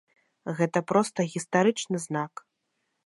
Гэта проста гістарычны знак.